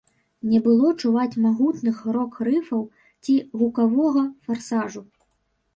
Не было чуваць магутных рок-рыфаў ці гукавога фарсажу.